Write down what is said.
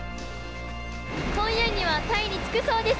今夜にはタイに着くそうです。